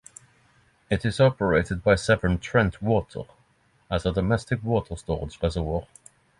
It is operated by Severn Trent Water as a domestic water storage reservoir.